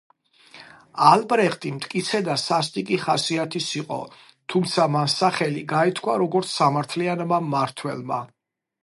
ალბრეხტი მტკიცე და სასტიკი ხასიათის იყო, თუმცა მან სახელი გაითქვა როგორც, სამართლიანმა მმართველმა.